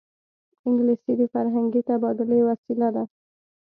انګلیسي د فرهنګي تبادلې وسیله ده